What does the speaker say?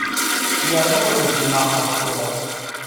Yerna ur ndimeɣ ɣef kra.